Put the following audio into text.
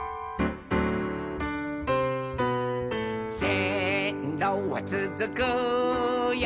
「せんろはつづくよ